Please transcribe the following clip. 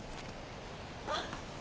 あっ！